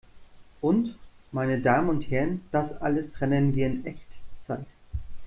Und, meine Damen und Herren, das alles rendern wir in Echtzeit!